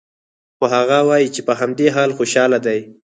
خو هغه وايي چې په همدې حال خوشحال دی